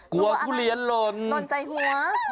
ทุเรียนหล่นหล่นใจหัว